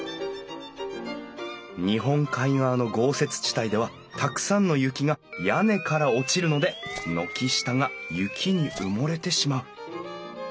日本海側の豪雪地帯ではたくさんの雪が屋根から落ちるので軒下が雪に埋もれてしまう。